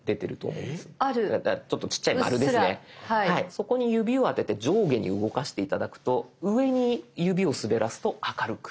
そこに指を当てて上下に動かして頂くと上に指を滑らすと明るく。